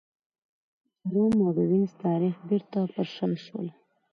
د روم او وینز تاریخ بېرته پر شا شول.